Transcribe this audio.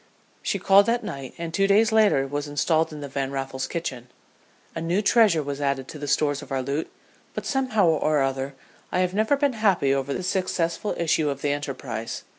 She called that night, and two days later was installed in the Van Raffles's kitchen. A new treasure was added to the stores of our loot, but somehow or other I have never been happy over the successful issue of the enterprise.